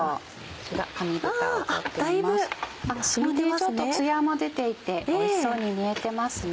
このねちょっとつやも出ていておいしそうに煮えてますね。